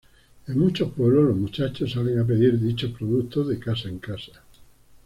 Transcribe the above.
En muchos pueblos los muchachos salen a pedir dichos productos de casa en casa.